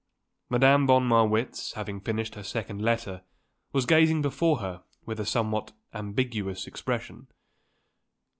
Madame von Marwitz, having finished her second letter, was gazing before her with a somewhat ambiguous expression.